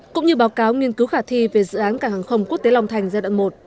cũng như báo cáo nghiên cứu khả thi về dự án cảng hàng không quốc tế long thành giai đoạn một